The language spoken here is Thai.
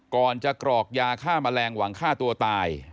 ก่อนจะกรอกยาฆ่าแมลงหวังฆ่าตัวตาย